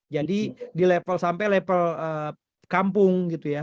jadi di level sampai level kampung gitu ya